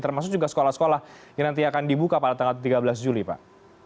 termasuk juga sekolah sekolah yang nanti akan dibuka pada tanggal tiga belas juli pak